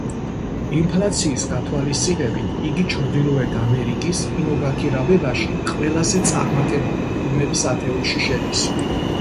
ინფლაციის გათვალისწინებით, იგი ჩრდილოეთ ამერიკის კინოგაქირავებაში ყველაზე წარმატებული ფილმების ათეულში შედის.